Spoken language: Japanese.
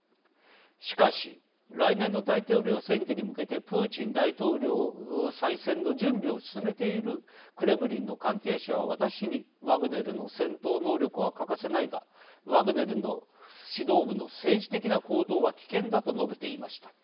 しかし来年の大統領選挙に向けてプーチン大統領再選の準備を進めているクレムリンの関係者は私に「ワグネルの戦闘能力は欠かせないがワグネルの指導部の政治的な行動は危険だ」と述べていました。